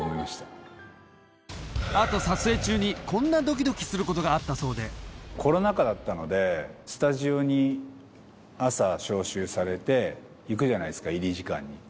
あと撮影中にこんなドキドキすることがあったそうでスタジオに朝招集されて行くじゃないっすか入り時間に。